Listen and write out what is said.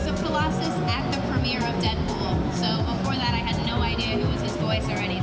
sebelum itu saya tidak tahu siapa suara dari dia